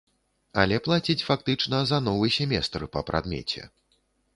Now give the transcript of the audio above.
Але плаціць фактычна за новы семестр па прадмеце.